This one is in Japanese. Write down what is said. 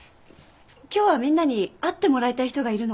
今日はみんなに会ってもらいたい人がいるの。